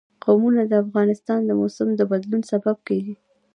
قومونه د افغانستان د موسم د بدلون سبب کېږي.